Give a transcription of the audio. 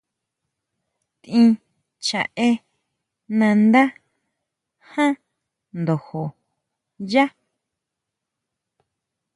Tʼín chjaʼé nandá jan ndojo yá.